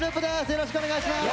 よろしくお願いします。